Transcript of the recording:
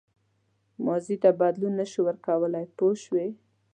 ماضي ته بدلون نه شو ورکولای پوه شوې!.